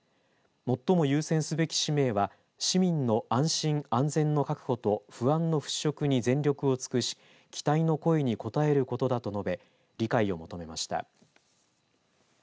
最も優先すべき使命は市民の安心、安全の確保と不安の払拭に全力を尽くし期待の声に応えることだと述べ理解を求めました。